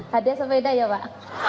hadiah sepeda ya pak